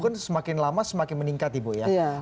pun semakin lama semakin meningkat ibu ya